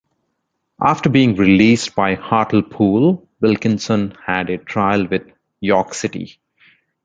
After being released by Hartlepool, Wilkinson had a trial with York City.